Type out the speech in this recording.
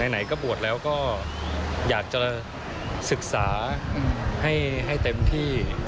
ไหนก็บวชแล้วก็อยากจะศึกษาให้เต็มที่